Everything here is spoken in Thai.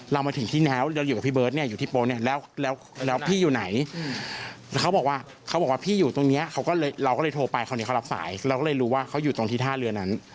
เราก็เลยโทรไปคราวนี้เขารับสายเราก็เลยรู้ว่าเขาอยู่ตรงที่ท่าเรือนั้น